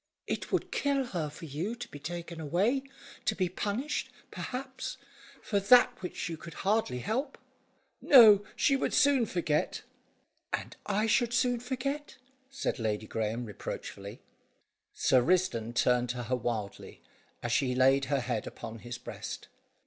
"It would kill her for you to be taken away, to be punished, perhaps, for that which you could hardly help." "No, she would soon forget." "And I should soon forget?" said Lady Graeme reproachfully. Sir Risdon turned to her wildly, as she laid her head upon his breast.